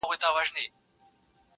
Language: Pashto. پر سترخان باندي یوازي کښېنستله،